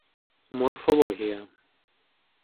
Морфологія